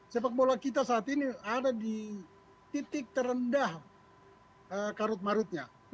sepak bola kita saat ini ada di titik terendah karut marutnya